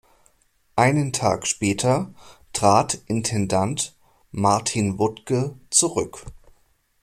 Einen Tag später trat Intendant Martin Wuttke zurück.